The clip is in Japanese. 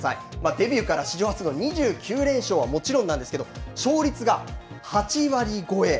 デビューから史上初の２９連勝はもちろんなんですが勝率が８割超え。